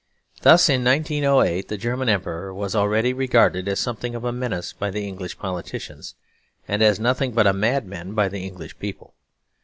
Thus in 1908 the German Emperor was already regarded as something of a menace by the English politicians, and as nothing but a madman by the English people.